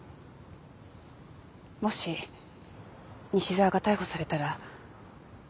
もし西沢が逮捕されたら。